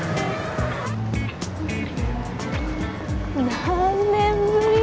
何年ぶり？